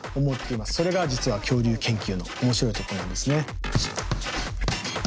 それが実は恐竜研究の面白いところなんですね。